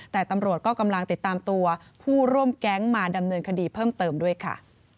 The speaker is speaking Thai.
แต่ตำรวจก็กำลังติดตามตัวผู้ร่วมแก๊งมาดำเนินคดีเพิ่มเติมด้วยค่ะ